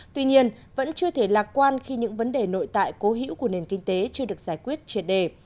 tuy nhiên vẫn chưa thể lạc quan khi những vấn đề nội tại cố hữu của nền kinh tế chưa được giải quyết triệt đề